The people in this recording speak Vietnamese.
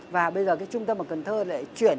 và bây giờ cái trung tâm ở cần thơ lại chuyển